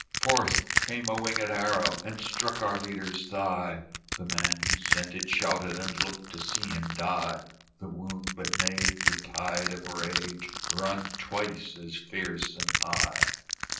Forth came a wingèd arrow, And struck our leader's thigh; The man who sent it shouted, And looked to see him die; The wound but made the tide of rage Run twice as fierce and high.